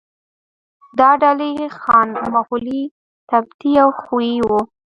دا ډلې خان، مغولي، تبتي او خویي وو.